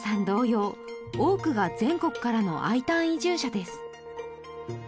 同様多くが全国からのＩターン移住者です